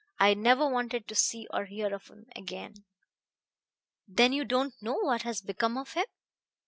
I never wanted to see or hear of him again." "Then you don't know what has become of him?"